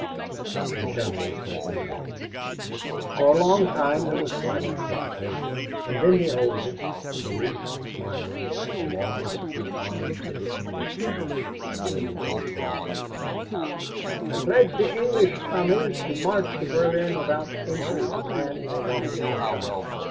"The General sat down. For a long time there was silence at the table, and then the oldest, the least smiling, the longest in arms of the English staff, arose and said: 'I pledge the English Tommies to march to Berlin without injury to man or woman or child.'